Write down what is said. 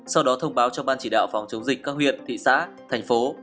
sau đó thông báo cho ban chỉ đạo phòng chống dịch các huyện thị xã thành phố